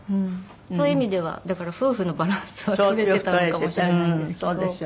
そういう意味ではだから夫婦のバランスは取れてたのかもしれないんですけど。